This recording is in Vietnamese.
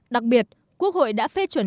đặc biệt quốc hội đã phê chuẩn